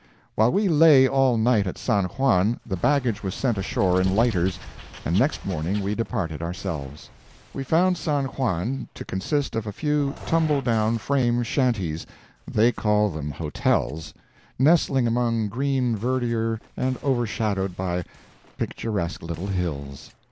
—While we lay all night at San Juan, the baggage was sent ashore in lighters, and next morning we departed ourselves. We found San Juan to consist of a few tumble down frame shanties—they call them hotels—nestling among green verdure and overshadowed by picturesque little hills.